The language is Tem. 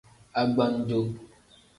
Agbannjo.